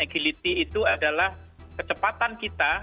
agility itu adalah kecepatan kita